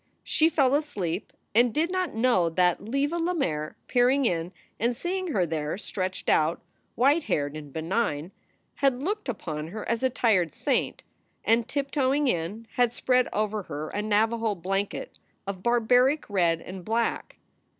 She fell asleep, and did not know that Leva Lemaire, peering in and seeing her there stretched out, white haired and benign, had looked upon her as a tired saint and, tiptoeing in, had spread over her a Navajo blanket of barbaric red and black.